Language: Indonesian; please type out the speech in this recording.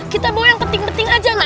kita bawa yang penting penting aja lah